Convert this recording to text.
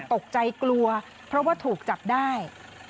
ตกใจกลัวเพราะว่าถูกจับได้